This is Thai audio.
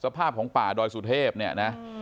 สภาพของป่าดอยสุเทพเนี่ยนะ